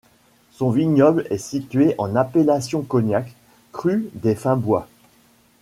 Son vignoble est situé en appellation cognac, cru des Fins Bois.